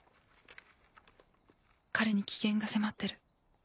彼に危険が迫ってる